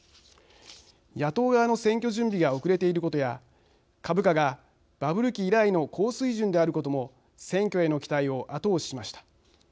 野党側の選挙準備が遅れていることや株価がバブル期以来の高水準であることも選挙への期待を後押ししました。